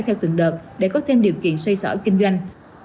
theo từng đợt để có thêm điều kiện xoay sỏi kinh doanh